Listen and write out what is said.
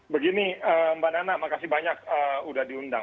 begini mbak nana makasih banyak sudah diundang